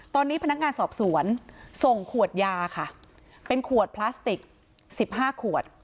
ตอนนี้พนักงานสอบสวนส่งขวดยาค่ะเป็นขวดพลาสติก๑๕ขวด